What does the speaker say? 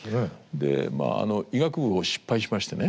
でまあ医学部を失敗しましてね